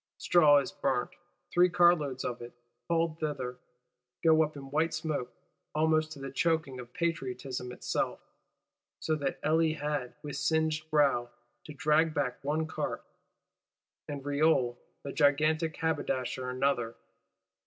Straw is burnt; three cartloads of it, hauled thither, go up in white smoke: almost to the choking of Patriotism itself; so that Elie had, with singed brows, to drag back one cart; and Reole the "gigantic haberdasher" another.